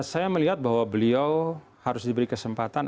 saya melihat bahwa beliau harus diberi kesempatan